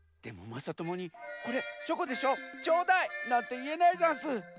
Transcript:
でもまさともに「これチョコでしょちょうだい！」なんていえないざんす！